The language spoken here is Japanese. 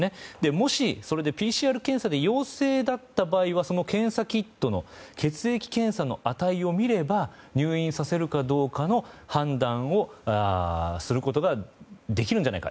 もしそれでＰＣＲ検査で陽性だった場合はその検査キットの血液検査の値を見れば入院させるかどうかの判断をすることができるんじゃないか。